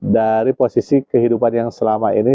dari posisi kehidupan yang selama ini